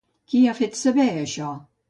Qui ha fet saber això?